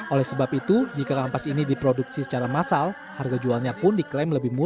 oleh sebab itu jika kampas ini diproduksi secara massal harga jualnya pun diklaim lebih murah